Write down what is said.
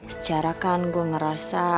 secara kan gue ngerasa